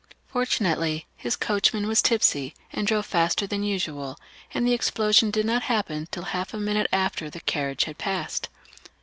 Fortunately, his coachman was tipsy, and drove faster than usual, and the explosion did not happen till half a minute after the carriage had passed.